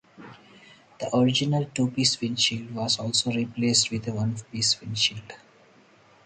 The original two-piece windshield was also replaced with a one-piece windshield.